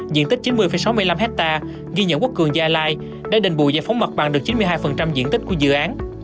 diện tích chín mươi sáu mươi năm hectare ghi nhận quốc cường gia lai đã đình bù giải phóng mặt bằng được chín mươi hai diện tích của dự án